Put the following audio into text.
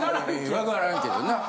分からんけどな。